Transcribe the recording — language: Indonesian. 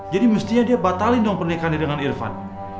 jadi mestinya dia batalin dong pernikahan dia dengan irfan